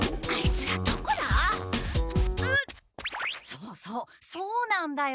そうそうそうなんだよ！